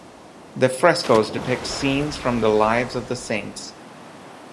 The frescoes depict scenes from the lives of the saints.